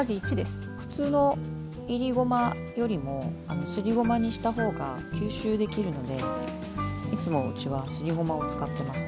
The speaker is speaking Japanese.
普通のいりごまよりもすりごまにした方が吸収できるのでいつもうちはすりごまを使ってます。